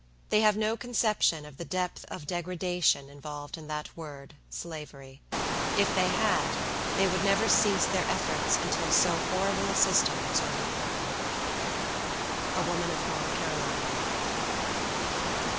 They have no conception of the depth of degradation involved in that word, SLAVERY; if they had, they would never cease their efforts until so horrible a system was overthrown." A Woman Of North Carolina.